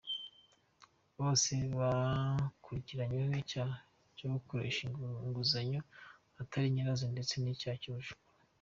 Bose bakurikiranweho icyaha cyo gukoresha imfunguzo utari nyirazo ndetse n’icyaha cy’ubujura.